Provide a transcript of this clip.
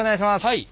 はい。